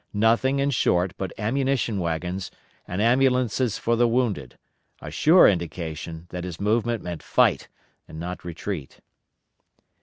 Nothing, in short, but ammunition wagons, and ambulances for the wounded; a sure indication that his movement meant fight and not retreat.